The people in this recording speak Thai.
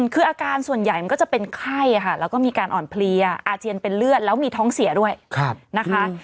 คืออาการส่วนใหญ่มันก็จะเป็นไข้ค่ะแล้วก็มีการอ่อนเพลียอาเจียนเป็นเลือดแล้วมีท้องเสียด้วยนะคะ